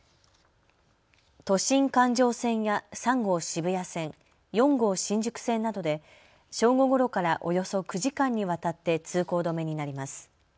都心環状線や３号渋谷線、４号新宿線などで正午ごろからおよそ９時間にわたって通行止めになります。